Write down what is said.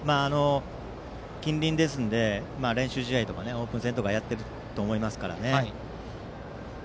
近隣ですので、練習試合とかオープン戦とかやっていると思いますからね。